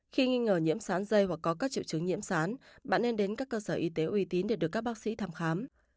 khi nghi ngờ nhiễm sán dây hoặc có các triệu chứng nhiễm sán bạn nên đến các cơ sở y tế uy tín để được các bác sĩ thăm khám